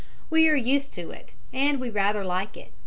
We are used to it, and we rather like it.